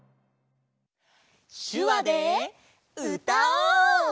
しゅわでうたおう！